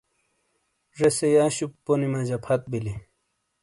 زیسئی انشُپ پونی مجا پھت بیلی۔